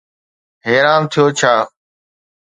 حيران ٿيو ڇا؟